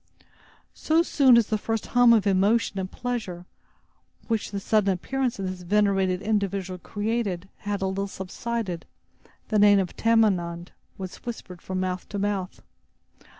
So soon as the first hum of emotion and pleasure, which the sudden appearance of this venerated individual created, had a little subsided, the name of "Tamenund" was whispered from mouth to mouth.